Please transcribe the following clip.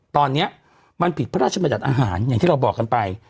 ตอนนี้มันผิดพระราชบัญญัติอาหารอย่างที่เราบอกกันไป